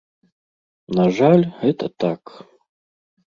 На жаль, гэта так.